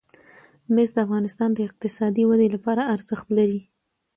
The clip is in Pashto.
مس د افغانستان د اقتصادي ودې لپاره ارزښت لري.